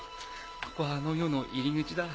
ここはあの世の入り口だ。